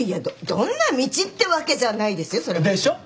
どんな道ってわけじゃないですよ。でしょ。